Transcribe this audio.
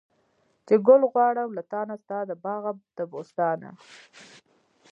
چې ګل غواړم له تانه، ستا د باغه د بوستانه